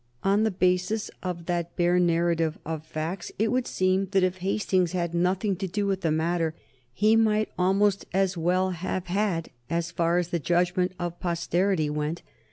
On the basis of that bare narrative of facts it would seem that if Hastings had nothing to do with the matter, he might almost as well have had as far as the judgment of posterity went.